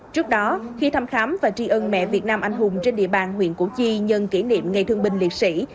trước đó khi thăm khám và tri ân mẹ việt nam anh hùng trên địa bàn huyện củ chi nhân kỷ niệm ngày thương binh liệt sĩ